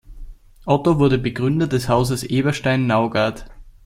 Otto wurde Begründer des Hauses Eberstein-Naugard.